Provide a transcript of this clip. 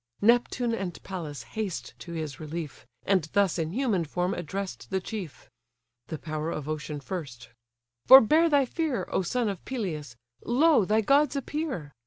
Neptune and Pallas haste to his relief, And thus in human form address'd the chief: The power of ocean first: "Forbear thy fear, O son of Peleus! Lo, thy gods appear!